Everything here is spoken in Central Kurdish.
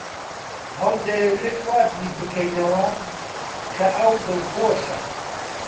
ئەو دەیەوێت وا بیر بکەینەوە کە ئەو دڵخۆشە.